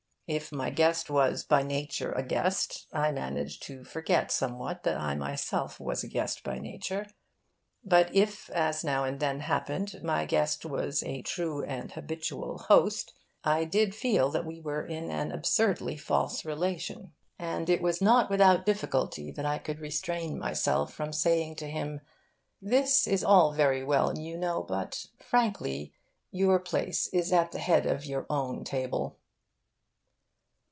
If my guest was by nature a guest, I managed to forget somewhat that I myself was a guest by nature. But if, as now and then happened, my guest was a true and habitual host, I did feel that we were in an absurdly false relation; and it was not without difficulty that I could restrain myself from saying to him 'This is all very well, you know, but frankly: your place is at the head of your own table.